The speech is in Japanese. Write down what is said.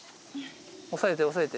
押さえて押さえて。